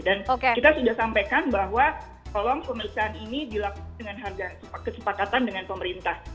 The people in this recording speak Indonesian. dan kita sudah sampaikan bahwa tolong pemeriksaan ini dilakukan dengan kesepakatan dengan pemerintah